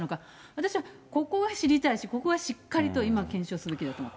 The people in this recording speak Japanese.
私はここは知りたいし、ここはしっかりと今、検証すべきだと思い